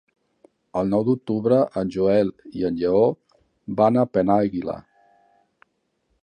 El nou d'octubre en Joel i en Lleó van a Penàguila.